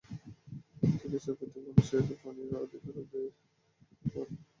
প্রত্যেক দেশের প্রত্যেক মানুষের পানির অধিকার নিশ্চিত করাই আজকের বিশ্বের প্রধান চ্যালেঞ্জ।